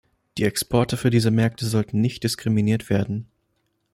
Die Exporte für diese Märkte sollten nicht diskriminiert werden.